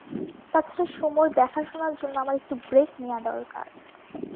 তাছাড়া সুমোর দেখাশোনার জন্য আমার একটু ব্রেক নেয়া দরকার।